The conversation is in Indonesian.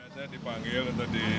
dia dipanggil untuk di